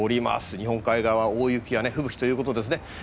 日本海側は大雪や吹雪ということです。